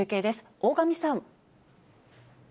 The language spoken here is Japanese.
大神さん。